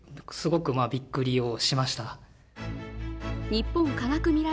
日本科学未来